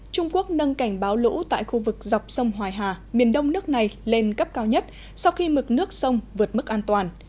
trung quốc nâng cảnh báo lũ tại khu vực dọc sông hoài hà miền đông nước này lên cấp cao nhất sau khi mực nước sông vượt mức an toàn